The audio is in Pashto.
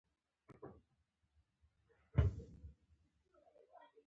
احمد د کلیوالو ترمنځ ټولې ستونزې پاکې صفا کړلې.